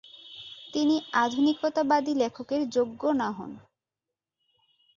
তিনি আধুনিকতাবাদী লেখকের যোগ্য না হন।